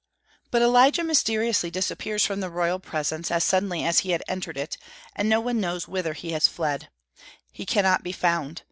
But Elijah mysteriously disappears from the royal presence as suddenly as he had entered it, and no one knows whither he has fled. He cannot be found.